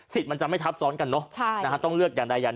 สิทธิ์มันจะไม่ทัพซ้อนกันเนอะต้องเลือกอย่างใด๑